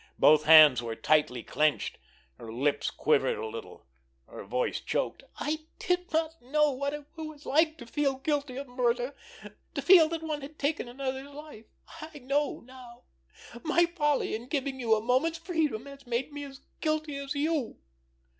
Both hands were tightly clenched. Her lips quivered a little; her voice choked. "I did not know what it was like to feel guilty of murder, to feel that one had taken another's life. I know now. My folly in giving you a moment's freedom has made me as guilty as you.